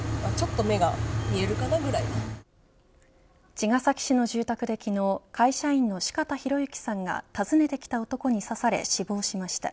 茅ヶ崎市の住宅で昨日、会社員の四方洋行さんが、訪ねてきた男に刺され死亡しました。